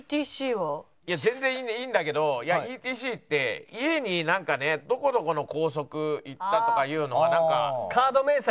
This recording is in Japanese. いや全然いいんだけどＥＴＣって家になんかねどこどこの高速行ったとかいうのがなんか。